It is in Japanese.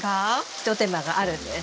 ひと手間があるんです。